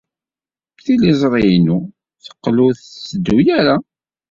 Tiliẓri-inu teqqel ur tetteddu ara.